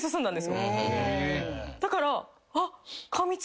だからあっ。